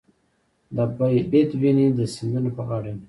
د بید ونې د سیندونو په غاړه وي.